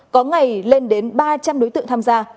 có ngày lên đến ba trăm linh đối tượng tham gia